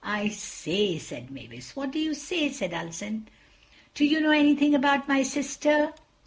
"I say!" said Mavis. "What do you say?" said Ulfin. "Do you know anything about my sister?"